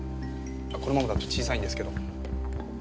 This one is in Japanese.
このままだと小さいんですけど。